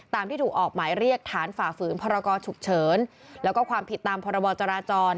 ที่ถูกออกหมายเรียกฐานฝ่าฝืนพรกรฉุกเฉินแล้วก็ความผิดตามพรบจราจร